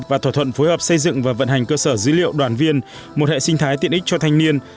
và thỏa thuận phối hợp xây dựng và vận hành cơ sở dữ liệu đoàn viên một hệ sinh thái tiện ích cho thanh niên